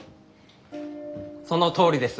そのとおりです。